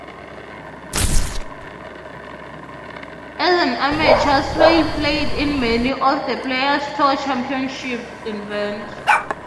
As an amateur, Swail played in many of the Players Tour Championship events.